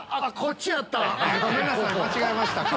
ごめんなさい間違えました。